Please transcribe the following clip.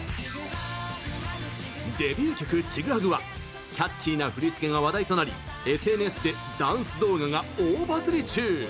デビュー曲「チグハグ」はキャッチーな振り付けが話題となり、ＳＮＳでダンス動画が大バズリ中。